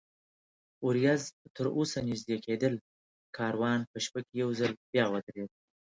ورېځ تراوسه نږدې کېدل، کاروان په شپه کې یو ځل بیا ودرېد.